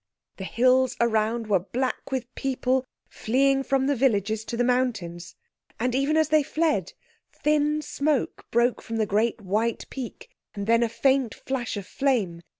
The hills around were black with people fleeing from the villages to the mountains. And even as they fled thin smoke broke from the great white peak, and then a faint flash of flame.